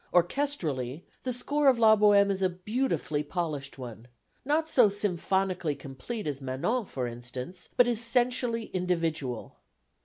Orchestrally, the score of La Bohème is a beautifully polished one, not so symphonically complete as Manon for instance, but essentially individual.